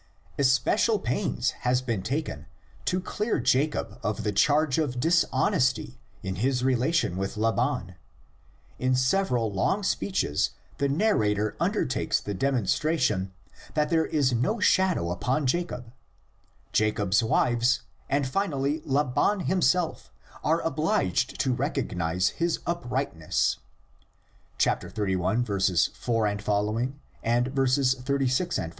Especial pains has been taken to clear Jacob of the charge of dishonesty in his relations with Laban: in several long speeches the narrator undertakes the demonstration that there is no shadow upon Jacob; Jacob's wives and finally Laban himself are obliged to recognise his uprightness (xxxi. 4 ff. ; 36 ff.).